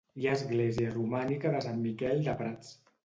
Hi ha l'església romànica de Sant Miquel de Prats.